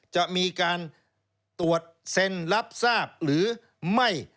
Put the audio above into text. จะมีการตรวจเซ็นรับทราบหรือไม่